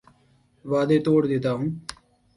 وعدے توڑ دیتا ہوں